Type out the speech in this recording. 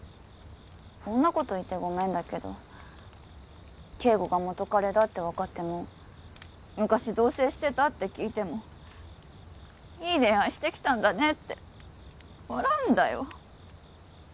こんなこと言ってごめんだけど圭吾が元カレだって分かっても昔同棲してたって聞いても「いい恋愛してきたんだね」って笑うんだよ